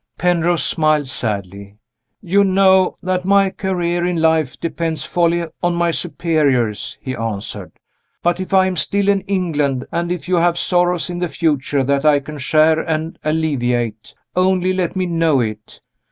Penrose smiled sadly. "You know that my career in life depends wholly on my superiors," he answered. "But if I am still in England and if you have sorrows in the future that I can share and alleviate only let me know it.